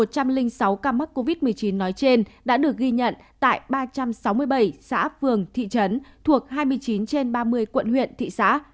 một trăm linh sáu ca mắc covid một mươi chín nói trên đã được ghi nhận tại ba trăm sáu mươi bảy xã phường thị trấn thuộc hai mươi chín trên ba mươi quận huyện thị xã